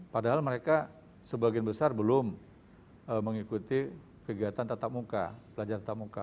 padahal mereka sebagian besar belum mengikuti kegiatan tatap muka pelajar tatap muka